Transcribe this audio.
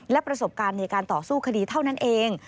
และประสบการณ์ในการต่อสู้คดีเท่านั้นเอง